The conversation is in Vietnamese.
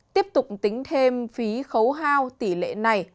tiếp tục tính thêm phí khấu hao tỷ lệ này